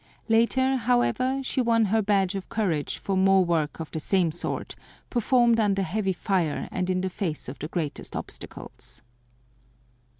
Later, however, she won her badge of courage for more work of the same sort performed under heavy fire and in the face of the greatest obstacles.